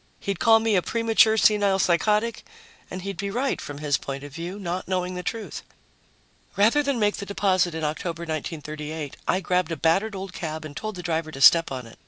He'd call me a premature senile psychotic and he'd be right, from his point of view, not knowing the truth. Rather than make the deposit in October, 1938, I grabbed a battered old cab and told the driver to step on it.